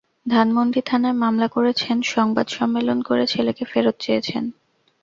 ধানমন্ডি থানায় মামলা করেছেন, সংবাদ সম্মেলন করে ছেলেকে ফেরত চেয়েছেন।